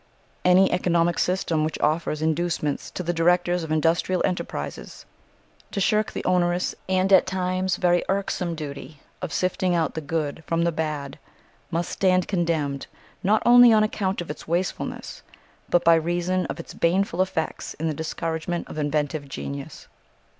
Any economic system which offers inducements to the directors of industrial enterprises to shirk the onerous, and at times very irksome, duty of sifting out the good from the bad must stand condemned not only on account of its wastefulness, but by reason of its baneful effects in the discouragement of inventive genius.